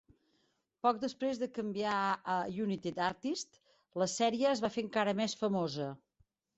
Poc després de canviar a United Artists, la sèrie es va fer encara més famosa.